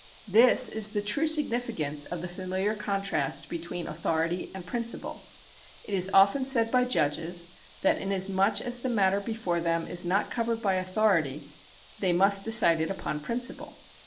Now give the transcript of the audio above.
^ This is the true significance of the familiar contrast between authority and principle. It is often said by judges that inas much as the matter before them is not covered by authority, they must decide it upon principle.